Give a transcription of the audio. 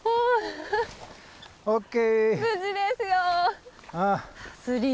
ＯＫ！